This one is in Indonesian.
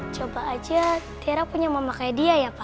coba aja tiara punya mama kayak dia ya pak